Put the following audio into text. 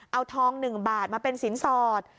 เอาทอง๑บาทมาเป็นสินสอด